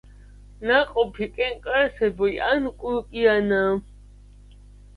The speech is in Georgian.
ნაყოფი კენკრასებრი ან კურკიანაა.